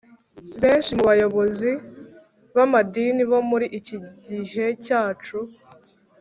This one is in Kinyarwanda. benshi mu bayobozi b’amadini bo muri iki gihe cyacu